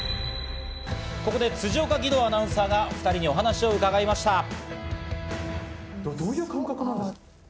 ここで辻岡義堂アナウンサーが２人にお話を伺いました。